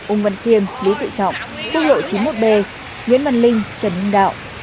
úng văn khiêm lý tự trọng tư lộ chín mươi một b nguyễn văn linh trần hưng đạo